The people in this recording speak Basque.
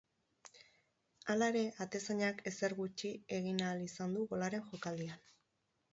Hala ere, atezainak ezer gutxi egin ahal izan du golaren jokaldian.